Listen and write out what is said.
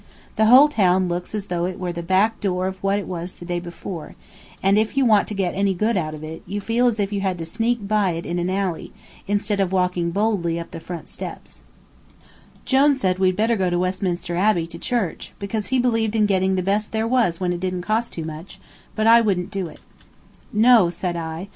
The whole town looks as if it was the back door of what it was the day before, and if you want to get any good out of it, you feel as if you had to sneak in by an alley, instead of walking boldly up the front steps. Jone said we'd better go to Westminster Abbey to church, because he believed in getting the best there was when it didn't cost too much, but I wouldn't do it. [Illustration: "Who do you suppose we met? Mr. Poplington!"] "No," said I.